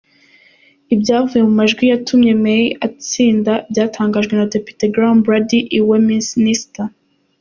Ibyavuye mu majwi yatumye May atsinda byatangajwe na depite Graham Brady i Westminister.